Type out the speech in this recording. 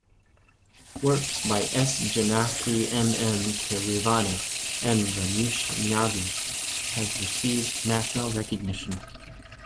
Works by S. Janaki, M. M. Keeravani, and Ramesh Naidu have received National recognition.